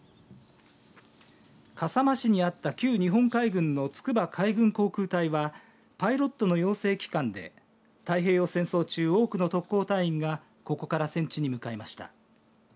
笠間市にあった旧日本海軍の筑波海軍航空隊はパイロットの養成機関で太平洋戦争中、多くの特攻隊員がここから戦地に向かいました。